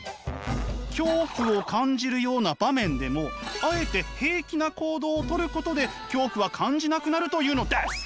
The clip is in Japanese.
恐怖を感じるような場面でもあえて平気な行動をとることで恐怖は感じなくなるというのです！